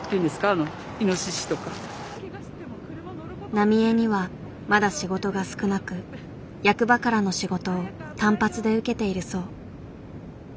浪江にはまだ仕事が少なく役場からの仕事を単発で受けているそう。